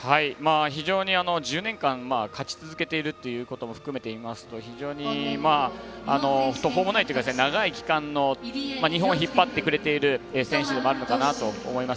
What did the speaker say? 非常に１０年間勝ち続けているということも含めて言いますと非常に途方もないというか長い期間日本を引っ張ってくれている選手でもあるのかなと思います。